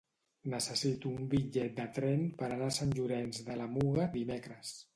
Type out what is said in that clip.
Necessito un bitllet de tren per anar a Sant Llorenç de la Muga dimecres.